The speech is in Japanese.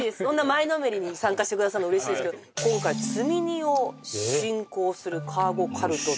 前のめりに参加してくださるの嬉しいですけど今回積荷を信仰するカーゴカルトっていう